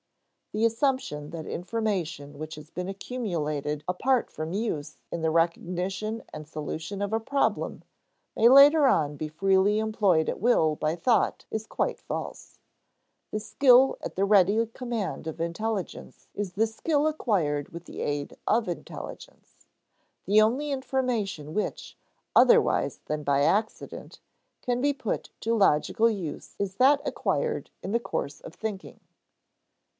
The assumption that information which has been accumulated apart from use in the recognition and solution of a problem may later on be freely employed at will by thought is quite false. The skill at the ready command of intelligence is the skill acquired with the aid of intelligence; the only information which, otherwise than by accident, can be put to logical use is that acquired in the course of thinking.